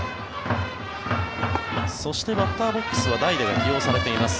そしてバッターボックスは代打が起用されています